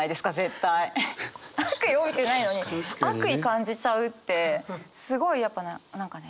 悪意帯びてないないのに悪意感じちゃうってすごいやっぱ何かね